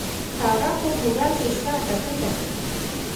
هغه خو ګوګل کې شته که څنګه.